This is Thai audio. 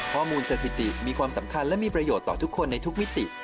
ข้อมูลสถิติมีความสำคัญและมีประโยชน์ต่อทุกคนในทุกมิติ